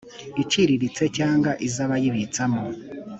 iciriritse cyangwa iz abayibitsamo